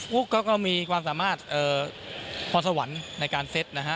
ุ๊กก็มีความสามารถพรสวรรค์ในการเซ็ตนะฮะ